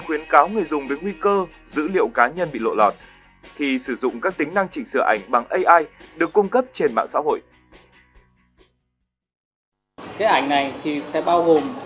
khuyến cáo người dùng mạng xã hội đánh giá là giữ được các đường nét tự nhiên trên khuôn mặt liên quan đến việc sử dụng